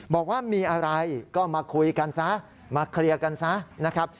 บอกว่ามีอะไรก็มาคุยกันซะมาเคลียร์กันซะนะครับ